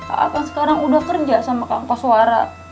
a'at kan sekarang udah kerja sama kang koswara